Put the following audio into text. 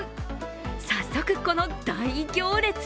早速、この大行列。